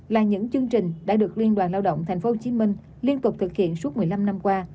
là những chương trình đã được liên đoàn lao động tp hcm liên tục thực hiện suốt một mươi năm năm qua